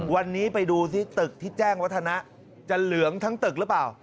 วันนี้ไปดูสิตึกที่แจ้งวัฒนะจะเหลืองทั้งตึกหรือเปล่า